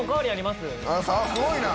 すごいな！